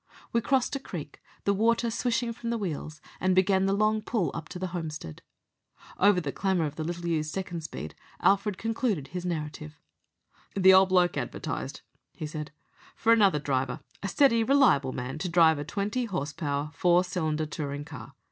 We crossed a creek, the water swishing from the wheels, and began the long pull up to the homestead. Over the clamour of the little used second speed, Alfred concluded his narrative. "The old bloke advertised," he said, "for another driver, a steady, reliable man to drive a twenty horse power, four cylinder touring car.